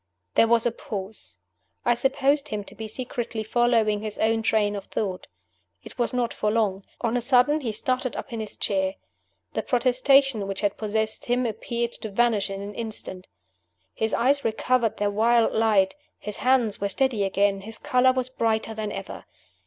There was a pause. I supposed him to be secretly following his own train of thought. It was not for long. On a sudden he started up in his chair. The prostration which had possessed him appeared to vanish in an instant. His eyes recovered their wild light; his hands were steady again; his color was brighter than ever.